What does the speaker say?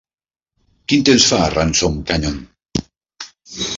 Quin temps fa a Ransom Canyon?